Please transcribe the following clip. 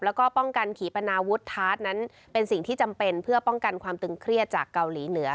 แล้วก็ป้องกันขีปนาวุฒาร์ดนั้นเป็นสิ่งที่จำเป็นเพื่อป้องกันความตึงเครียดจากเกาหลีเหนือ